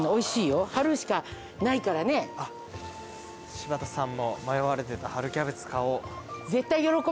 柴田さんも迷われてた春キャベツ買おう。